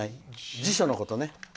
辞書のことね。